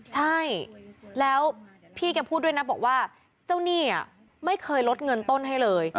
ใช่แล้วพี่แกพูดด้วยนะบอกว่าเจ้าหนี้ไม่เคยลดเงินต้นให้เลย